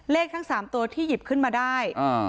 ทั้ง๓ตัวที่หยิบขึ้นมาได้